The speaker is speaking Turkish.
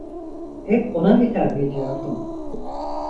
Hep ona hitap ediyordum.